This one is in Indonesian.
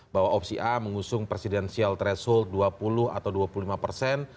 bahwa opsi a mengusung presidensial threshold dua puluh atau dua puluh lima persen